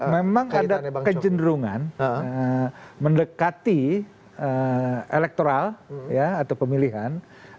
memang ada kecenderungan mendekati elektoral atau pemilihan